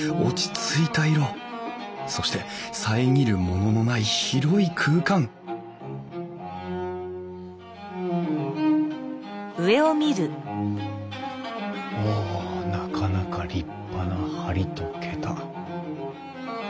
そして遮るもののない広い空間おなかなか立派な梁と桁。